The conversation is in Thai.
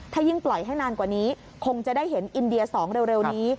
ถ้ายิ่งปล่อยให้นานกว่านี้คงจะได้เห็นอินเดีย๒เร็วนี้